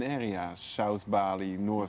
bali selatan bali barat